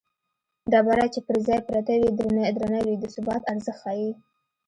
ډبره چې پر ځای پرته وي درنه وي د ثبات ارزښت ښيي